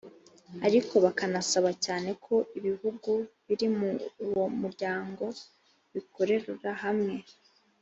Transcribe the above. ariko bikanasaba cyane ko ibihugu biri muri uwo muryango bikorera hamwe